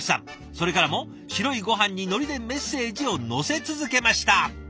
それからも白いごはんに海苔でメッセージをのせ続けました。